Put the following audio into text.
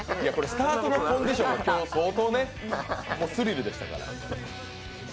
スタートのコンディションが相当スリルでしたから。